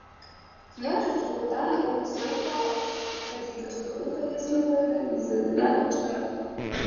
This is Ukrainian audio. Княжич Богдан якусь мить вагавсь, тоді приступив до Ясновиди й, затинаючись, мовив: